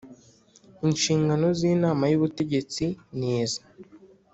Inshingano z Inama y Ubutegetsi ni izi